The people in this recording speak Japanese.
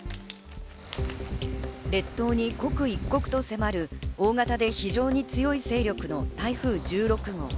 列島に刻一刻と迫る大型で非常に強い勢力の台風１６号。